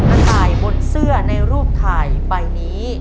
มาถ่ายบนเสื้อในรูปถ่ายใบนี้